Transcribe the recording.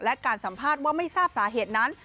และการสัมภาษณ์ว่าไม่ทราบสาเหตุนั้น